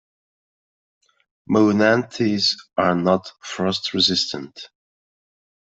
"Monanthes" are not frost-resistant.